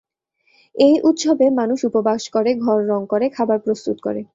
এই উৎসবে মানুষ উপবাস করে, ঘর রং করে, খাবার প্রস্তুত করে।